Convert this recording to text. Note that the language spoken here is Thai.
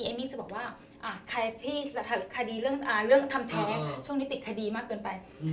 มี่จะบอกว่าใครที่คดีเรื่องทำแท้ช่วงนี้ติดคดีมากเกินไป